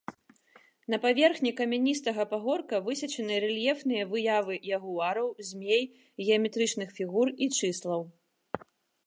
На паверхні камяністага пагорка высечаны рэльефныя выявы ягуараў, змей, геаметрычных фігур і чыслаў.